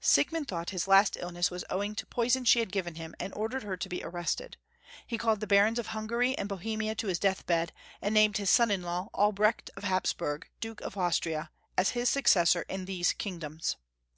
Siegmund thought his last illness was owing to poison she had given him and ordered licr to be arrested. He called the barons of Hungary and Bohemia to his death bed, and named liis son in law, Albrecht of Hapsburg, Duke of Austria, as Ids successor in these kingdoms.